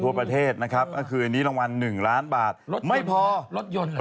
ทั่วประเทศนะครับนี่รางวัลหนึ่งล้านบาทไม่พอรถยนต์หรือ